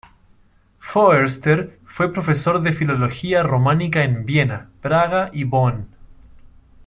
Foerster fue profesor de filología románica en Viena, Praga y Bonn.